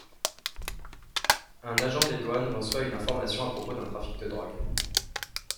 Un agent des Douanes reçoit une information à propos d'un trafic de drogue.